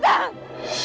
buat aku genshanta